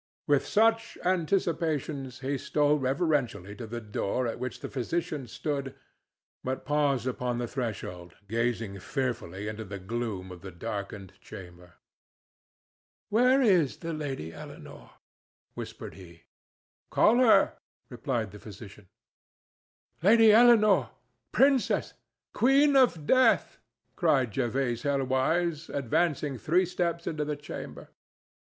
With such anticipations he stole reverentially to the door at which the physician stood, but paused upon the threshold, gazing fearfully into the gloom of the darkened chamber. "Where is the Lady Eleanore?" whispered he. "Call her," replied the physician. "Lady Eleanore! princess! queen of Death!" cried Jervase Helwyse, advancing three steps into the chamber.